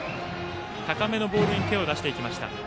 高めのボールに手を出していきました。